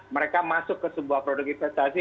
mereka masuk ke sebuah produk investasi